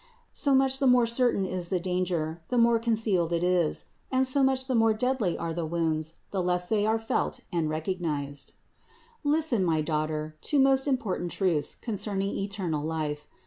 So much the more certain is the danger, the more concealed it is, and so much the more deadly are the wounds, the less they are felt and recog nized. 332. Listen, my daughter, to most important truths concerning eternal life.